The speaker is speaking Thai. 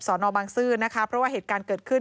นบางซื่อนะคะเพราะว่าเหตุการณ์เกิดขึ้น